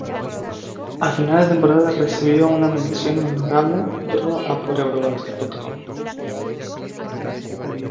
A final de temporada recibió una "mención honorable" Pro A por "Eurobasket.com".